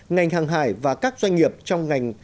ngành hàng hải và các doanh nghiệp trong ngành